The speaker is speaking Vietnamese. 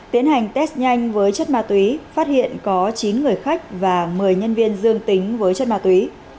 tiến hành test nhanh với chất ma túy phát hiện có chín người khách và một mươi nhân viên dương tính với chất ma túy